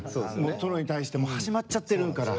殿に対してもう始まっちゃってるから。